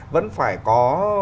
vẫn phải có